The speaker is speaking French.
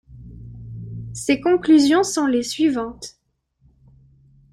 Ses conclusions sont les suivantes.